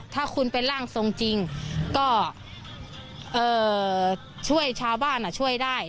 ถ้าคุณเป็นร่างทรงจริงก็ช่วยชาวบ้านช่วยได้